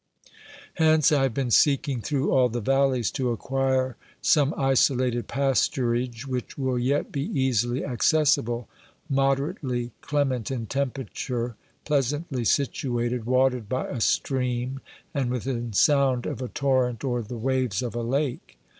Hence I have been seeking through all the valleys to acquire some isolated pasturage which will yet be easily accessible, moderately clement in temperature, pleasantly situated, watered by a stream, and within sound of a torrent or the waves of a lake.